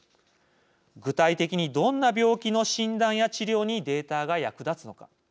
具体的に、どんな病気の診断や治療にデータが役立つのか。